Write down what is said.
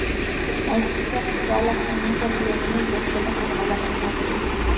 ئەكسىچە، پۇقرالىق ئېڭى تەربىيەسىنى دەپسەندە قىلىدىغانلار چىقىۋاتىدۇ.